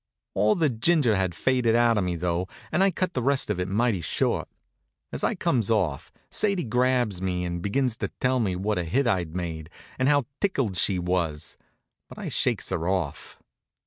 All the ginger had faded out of me, though, and I cut the rest of it mighty short. As I comes off, Sadie grabs me and begins to tell me what a hit I'd made, and how tickled she was, but I shakes her off.